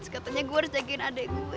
katanya gue harus jagain adik gue